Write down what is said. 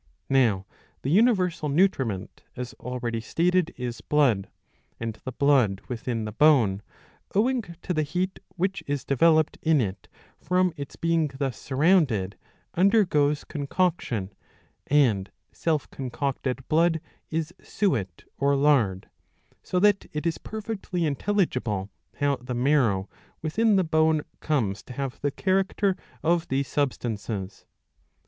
Now the universal nutriment, as already stated, is blood ; and the blood within the bone, owing to the heat which is developed in it from its being thus surrounded, undergoes concoction, and self concocted ''' blood is suet or lard ; so that it is perfectly intelligible how the marrow within the bone comes to have the character of these substances.